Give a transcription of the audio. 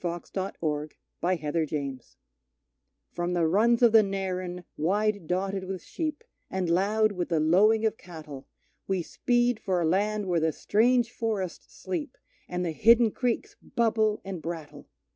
The Barcoo (The Squatters' Song) From the runs of the Narran, wide dotted with sheep, And loud with the lowing of cattle, We speed for a land where the strange forests sleep And the hidden creeks bubble and brattle!